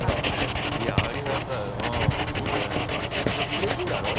うれしいだろう？